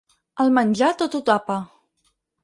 El menjar tot ho tapa.